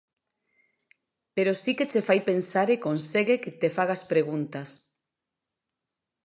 Pero si que che fai pensar e consegue que te fagas preguntas.